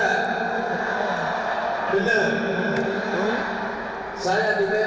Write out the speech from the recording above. hasil tanda hasil tanda hasil tanda